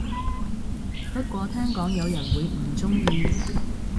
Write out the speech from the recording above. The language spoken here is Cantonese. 不過聽講有人會唔鍾意